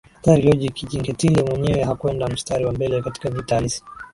Hatari iliyoje Kinjekitile mwenyewe hakwenda mstari wa mbele katika vita halisi